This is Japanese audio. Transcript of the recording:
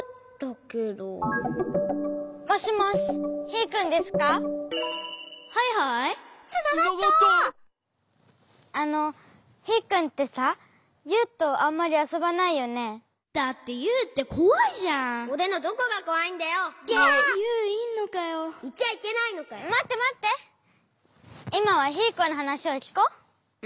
いまはヒーくんのはなしをきこう。